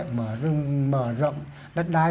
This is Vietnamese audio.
mở rộng đất đai